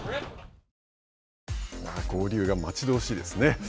合流が待ち遠しいですね。